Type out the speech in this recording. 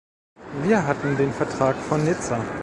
Wir hatten den Vertrag von Nizza.